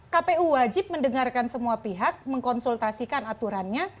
kpu wajib mendengarkan semua pihak mengkonsultasikan aturannya